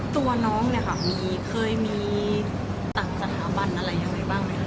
ตัวน้องเนี่ยค่ะเคยมีต่างสถาบันอะไรยังไงบ้างไหมคะ